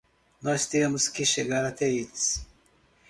Nós temos que chegar até eles!